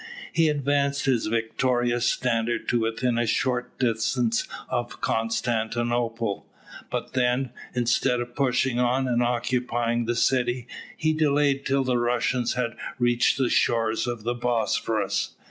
He advanced his victorious standard to within a short distance of Constantinople; but then, instead of pushing on and occupying the city, he delayed till the Russians had reached the shores of the Bosphorus.